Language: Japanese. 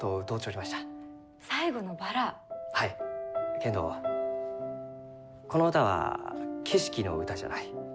けんどこの歌は景色の歌じゃない。